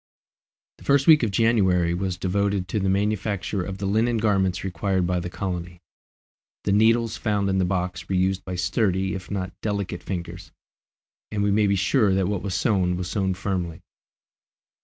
The first week of January was devoted to the manufacture of the linen garments required by the colony. The needles found in the box were used by sturdy if not delicate fingers, and we may be sure that what was sewn was sewn firmly.